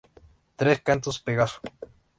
Tres Cantos Pegaso.